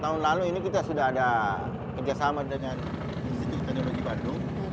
tahun lalu ini kita sudah ada kerjasama dengan institut teknologi bandung